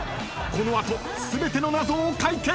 ［この後全ての謎を解決！］